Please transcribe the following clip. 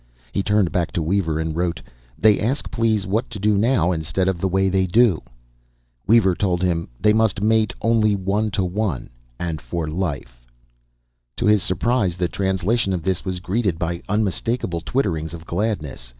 He turned back to Weaver and wrote, "They ask please, what to do now instead of the way they do?" Weaver told him, "They must mate only one to one, and for life." To his surprise, the translation of this was greeted by unmistakable twitterings of gladness.